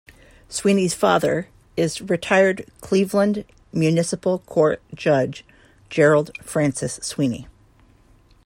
Sweeney's father is retired Cleveland Municipal Court judge Gerald Francis Sweeney.